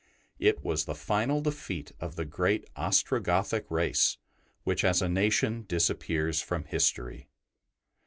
It was the final defeat of the great Ostrogothic race, which as a nation disappears from history.